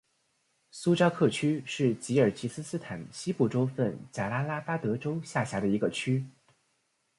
苏扎克区是吉尔吉斯斯坦西部州份贾拉拉巴德州下辖的一个区。